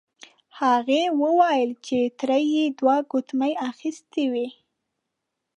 هغې وویل چې تره یې دوه ګوتمۍ اخیستې وې.